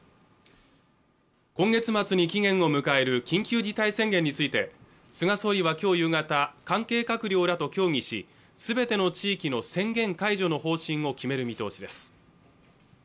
今月末に期限を迎える緊急事態宣言について菅総理はきょう夕方関係閣僚らと協議しすべての地域の宣言解除の方針を決める見通しです